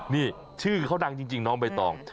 นี่ชื่อเขาดังจริงน้องใบตอง